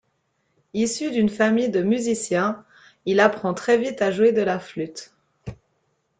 Issu d'une famille de musiciens, il apprend très vite à jouer de la flûte.